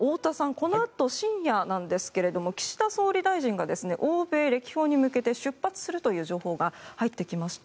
このあと深夜なんですけれども岸田総理大臣が欧米歴訪に向けて出発するという情報が入ってきました。